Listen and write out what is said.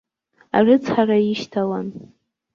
Арыцҳара ишьҭалан.